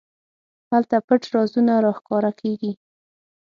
هلته پټ رازونه راښکاره کېږي.